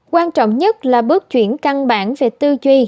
quan trọng nhất là bước chuyển căn bản về tư duy